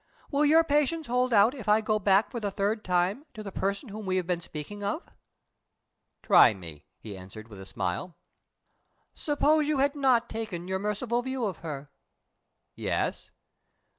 "Will your patience hold out if I go back for the third time to the person whom we have been speaking of?" "Try me," he answered, with a smile. "Suppose you had not taken your merciful view of her?" "Yes?"